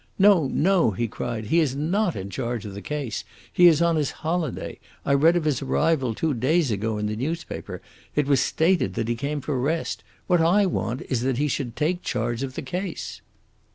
"No, no," he cried; "he is not in charge of the case. He is on his holiday. I read of his arrival two days ago in the newspaper. It was stated that he came for rest. What I want is that he should take charge of the case."